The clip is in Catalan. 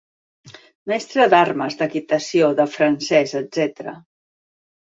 Mestre d'armes, d'equitació, de francès, etc.